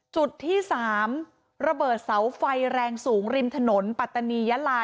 จุดที่๓ระเบิดเสาไฟแรงสูงริมถนนปัตตานียะลา